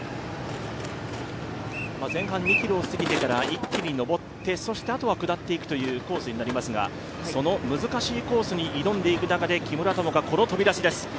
前半２ｋｍを過ぎてから一気に上って、そして、あとは下っていくというコースになりますが、その難しいコースに挑んでいく中で木村友香、この飛び出しです。